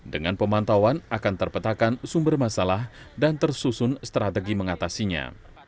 dengan pemantauan akan terpetakan sumber masalah dan tersusun strategi mengatasinya